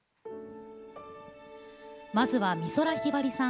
まずは、美空ひばりさん。